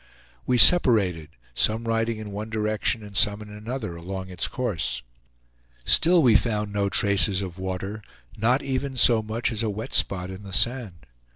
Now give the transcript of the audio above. We separated, some riding in one direction and some in another along its course. Still we found no traces of water, not even so much as a wet spot in the sand.